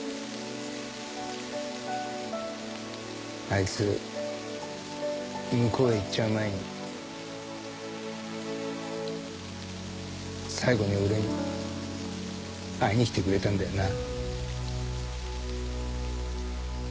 あいつ向こうへ逝っちゃう前に最後に俺に会いに来てくれたんだよな。